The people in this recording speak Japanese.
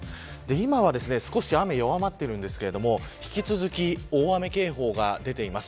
今は少し雨弱まっているんですが引き続き大雨警報が出ています。